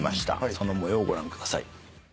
その模様をご覧ください。